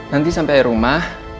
nanti sampe rumah